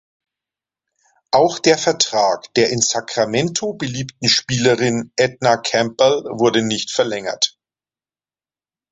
Auch der Vertrag der in Sacramento beliebten Spielerin Edna Campbell wurde nicht verlängert.